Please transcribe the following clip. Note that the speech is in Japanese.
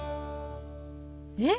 えっ！